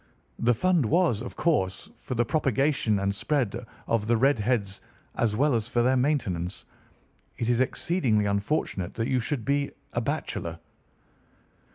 The fund was, of course, for the propagation and spread of the red heads as well as for their maintenance. It is exceedingly unfortunate that you should be a bachelor.